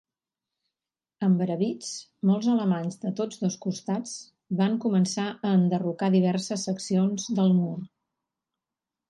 Embravits, molts alemanys de tots dos costats van començar a enderrocar diverses seccions del mur.